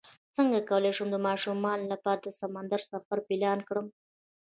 څنګه کولی شم د ماشومانو لپاره د سمندر سفر پلان کړم